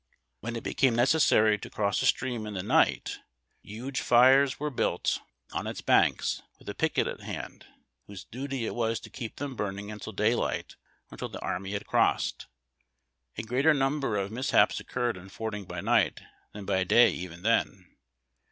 When it became necessary to cross a stream in the night, huge fires were built on its banks, with a picket at hand, whose duty it was to keep tliem burning until daylight, or until the army had crossed. A greater number of mis haps occurred in fording by night than by day even then.